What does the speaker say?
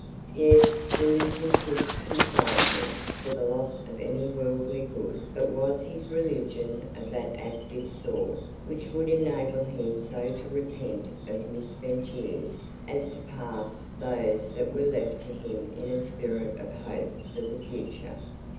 Yes, religion could console him for the loss of any worldly good; but was his religion of that active sort which would enable him so to repent of misspent years as to pass those that were left to him in a spirit of hope for the future?